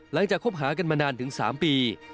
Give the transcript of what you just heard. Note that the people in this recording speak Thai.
หลังจากคบหากันมานานถึง๓ปี